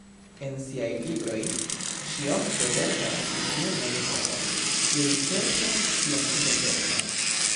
En siaj libroj ŝi ofte verkas pri junaj homoj, kiuj serĉas sian identecon.